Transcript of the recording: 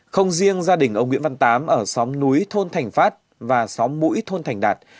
không riêng gia đình ông nguyễn văn tám ở xóm núi thôn thành phát và xóm mũi thôn thành đạt